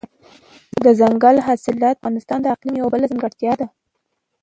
دځنګل حاصلات د افغانستان د اقلیم یوه بله ځانګړتیا ده.